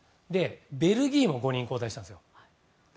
ベルギーも５人交代しているんです。